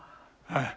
はい。